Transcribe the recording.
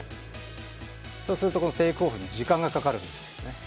そうするとテイクオフに時間がかかるんですよね。